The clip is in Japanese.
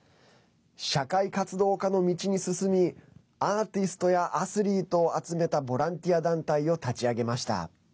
社会活動家の道に進みアーティストやアスリートを集めたボランティア団体を立ち上げました。